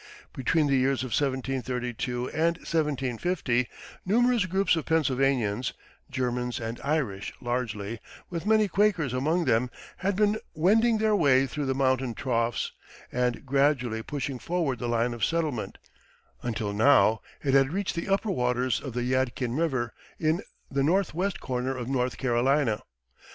Between the years 1732 and 1750, numerous groups of Pennsylvanians Germans and Irish largely, with many Quakers among them had been wending their way through the mountain troughs, and gradually pushing forward the line of settlement, until now it had reached the upper waters of the Yadkin River, in the northwest corner of North Carolina.